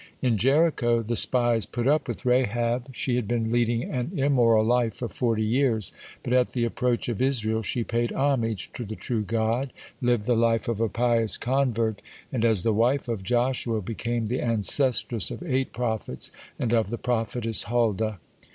(11) In Jericho the spies put up with Rahab. She had been leading an immoral life for forty years, but at the approach of Israel, she paid homage to the true God, lived the life of a pious convert, and, as the wife of Joshua, became the ancestress of eight prophets and of the prophetess Huldah.